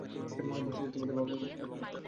বলছি যে, তোদের মা কখনও সিট বেল্ট পরতো না।